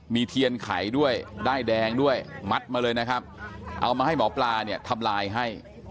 มีเทียนไข่ด้วยด้ายแดงด้วยมัดมาเลยนะครับเอามาให้หมอปลาเนี่ยทำลายให้